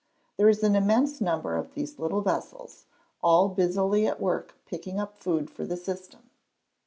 There is an immense number of these little vessels, all busily at work picking up food for the system.